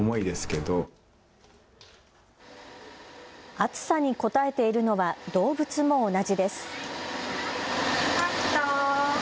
暑さにこたえているのは動物も同じです。